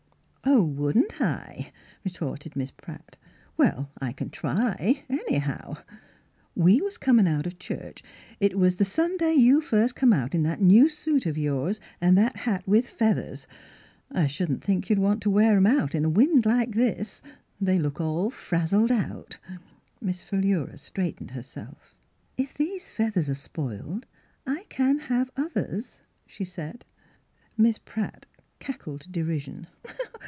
5J "Oh, wouldn't I?"' retorted Miss Pratt. *• Well, I can try anyhow. We was comin' out of church ; it was the Sun day you first come out in that new suit of yours an' that hat with feathers — I shouldn't think you'd want to wear 'em out in a wind like this ; they look all frazzled out." Miss Philura straightened herself. " If these feathers are spoiled I can have others," she said. Miss Pratt cackled derision.